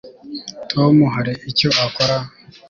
tom hari icyo akora